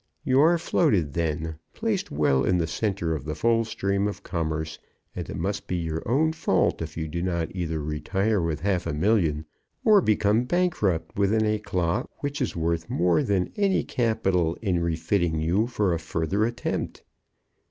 You are floated then, placed well in the centre of the full stream of commerce, and it must be your own fault if you do not either retire with half a million, or become bankrupt with an éclat, which is worth more than any capital in refitting you for a further attempt.